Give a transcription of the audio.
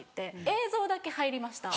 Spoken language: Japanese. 映像だけ入りました。